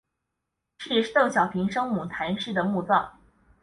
是邓小平生母谈氏的墓葬。